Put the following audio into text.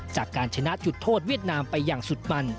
จากการชนะจุดโทษเวียดนามไปอย่างสุดมัน